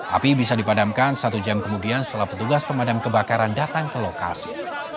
api bisa dipadamkan satu jam kemudian setelah petugas pemadam kebakaran datang ke lokasi